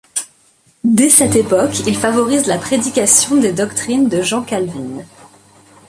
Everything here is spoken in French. Dès cette époque, il favorise la prédication des doctrines de Jean Calvin.